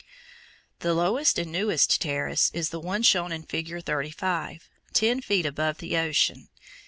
The lowest and newest terrace is the one shown in Fig. 35, ten feet above the ocean.